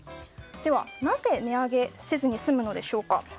では、なぜ値上げせずに済むのでしょうか。